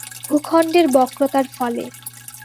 ভূখণ্ডের বক্রতার ফলে।